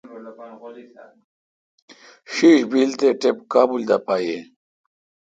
بیل تے ٹپ کابل دا پا یین۔